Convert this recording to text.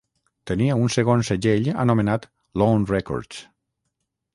Tenia un segon segell anomenat Lawn Records.